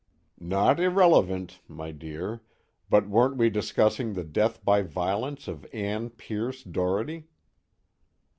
_ _NOT IRRELEVANT (MY DEAR) BUT WEREN'T WE DISCUSSING THE DEATH BY VIOLENCE OF ANN PIERCE DOHERTY?